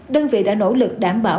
đơn vị đã nỗ lực đảm bảo